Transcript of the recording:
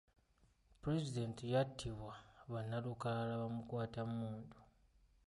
Pulezidenti yattibwa bannalukalala bamukwatammundu.